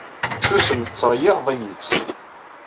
Susem tettreyyiɛeḍ-iyi-tt!